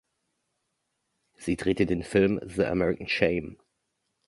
Sie drehte den Film "The American Shame".